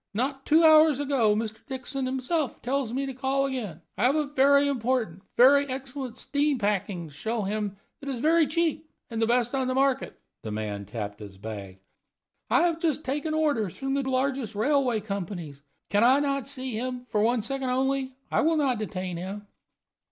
Not two hours ago Mr. Dixon himself tells me to call again. I have a very important very excellent steam packing to show him that is very cheap and the best of the market." The man tapped his bag. "I have just taken orders from the largest railway companies. Can not I see him, for one second only? I will not detain him."